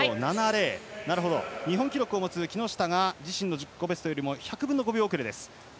日本記録を持つ木之下が自身の自己ベストよりも１００分の５秒遅れです。